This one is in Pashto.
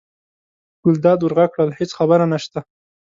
ګلداد ور غږ کړل: هېڅ خبره نشته.